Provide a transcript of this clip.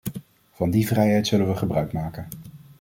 Van die vrijheid zullen we gebruikmaken.